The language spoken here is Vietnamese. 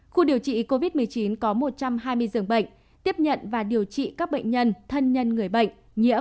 khu điều trị covid một mươi chín có một trăm hai mươi dường bệnh tiếp nhận và điều trị các bệnh nhân thân nhân người bệnh nhiễm